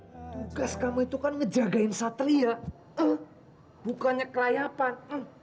tugas kamu itu kan ngejagain satria bukannya kelayapan